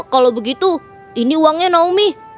kalau begitu ini uangnya naomi